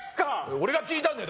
俺が聞いたんだよ